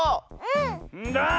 んだ！